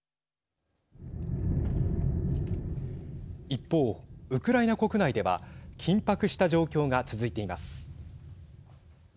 一方、ウクライナ国内では緊迫した状況が続いています。